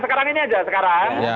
sekarang ini aja sekarang